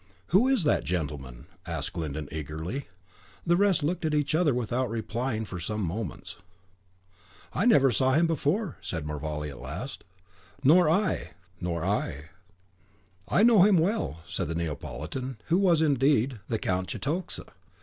"Who is that gentleman?" asked Glyndon, eagerly. The rest looked at each other, without replying, for some moments. "I never saw him before," said Mervale, at last. "Nor I." "Nor I." "I know him well," said the Neapolitan, who was, indeed, the Count Cetoxa.